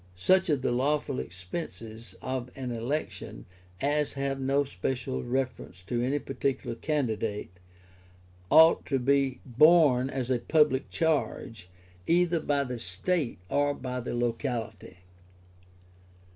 Such of the lawful expenses of an election as have no special reference to any particular candidate, ought to be borne as a public charge, either by the State or by the locality.